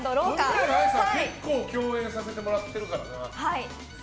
冨永愛さんは結構共演させてもらってるからな。